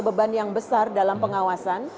beban yang besar dalam pengawasan